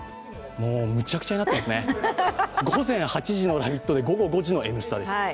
もう無茶苦茶になっていますね、午前８時の「ラヴィット！」で午後５時の「Ｎスタ」です。